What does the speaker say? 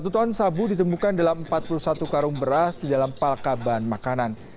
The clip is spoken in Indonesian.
satu ton sabu ditemukan dalam empat puluh satu karung beras di dalam palka ban makanan